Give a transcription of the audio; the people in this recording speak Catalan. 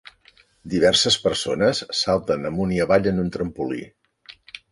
Diverses persones salten amunt i avall en un trampolí.